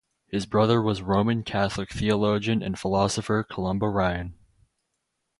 His brother was Roman Catholic theologian and philosopher Columba Ryan.